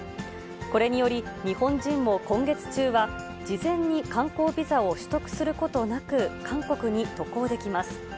これにより、日本人も今月中は、事前に観光ビザを取得することなく、韓国に渡航できます。